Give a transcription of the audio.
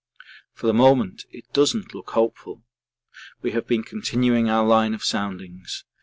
For the moment it doesn't look hopeful. We have been continuing our line of soundings.